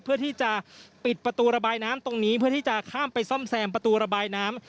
เพื่อที่จะปิดประตูระบายน้ำตรงนี้เพื่อที่จะข้ามไปซ่อมแซมประตูระบายน้ำ